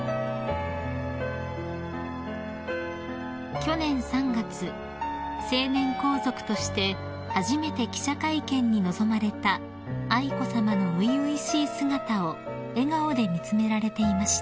［去年３月成年皇族として初めて記者会見に臨まれた愛子さまの初々しい姿を笑顔で見詰められていました］